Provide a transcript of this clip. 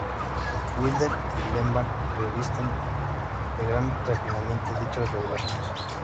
Wilder y Lehman revisten de gran refinamiento dichas revelaciones.